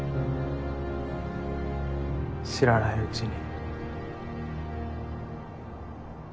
知らないうちに。